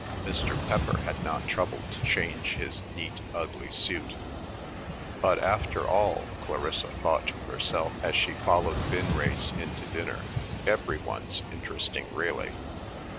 Mr. Pepper had not troubled to change his neat ugly suit. "But after all," Clarissa thought to herself as she followed Vinrace in to dinner, "every one's interesting really."